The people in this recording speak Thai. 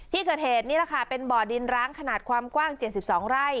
ที่เกิดเหตุนี่แหละค่ะเป็นบ่อดินร้างขนาดความกว้าง๗๒ไร่